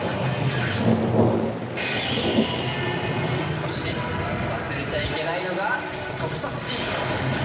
そして忘れちゃいけないのが特撮シーン！